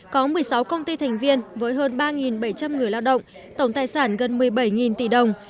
có một mươi sáu công ty thành viên với hơn ba bảy trăm linh người lao động tổng tài sản gần một mươi bảy tỷ đồng